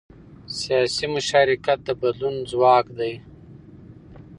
سیاسي مشارکت د بدلون ځواک دی